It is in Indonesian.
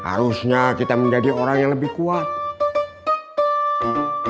harusnya kita menjadi orang yang lebih kuat